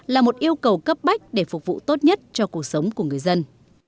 là một yêu cầu cấp bách để phục vụ tốt nhất cho cuộc sống của người dân